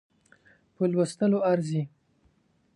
په لوستلو ارزي.